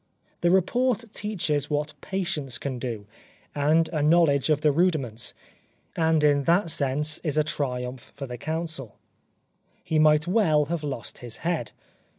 The report teaches what patience can do, and a knowledge of the rudiments; and in that sense is a triumph for the counsel. He might well have lost his head.